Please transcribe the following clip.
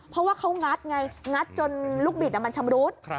เพราะว่าเขางัดไงงัดจนลูกบิดมันชำรุด